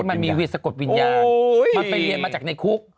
มันไปเรียนมาจากในคุก